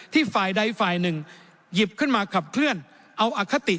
ฝ่ายใดฝ่ายหนึ่งหยิบขึ้นมาขับเคลื่อนเอาอคติ